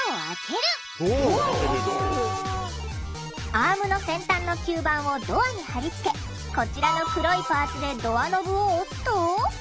アームの先端の吸盤をドアに貼り付けこちらの黒いパーツでドアノブを押すと。